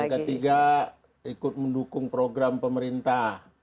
yang ketiga ikut mendukung program pemerintah